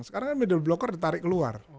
sekarang kan middle blocker ditarik keluar